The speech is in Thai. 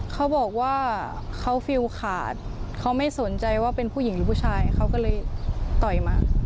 เขาบอกว่าเขาฟิลขาดเขาไม่สนใจว่าเป็นผู้หญิงหรือผู้ชายเขาก็เลยต่อยมา